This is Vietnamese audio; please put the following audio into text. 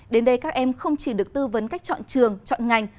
đến đây các em không chỉ được tư vấn cách chọn trường chọn ngành